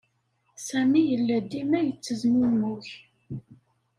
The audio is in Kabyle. Sami yella dima yettezmumug.